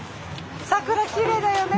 桜きれいだよね。